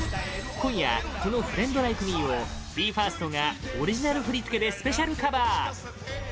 今夜、この「フレンド・ライク・ミー」をＢＥ：ＦＩＲＳＴがオリジナル振り付けでスペシャルカバー！